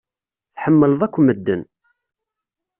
Tḥemmleḍ akk medden.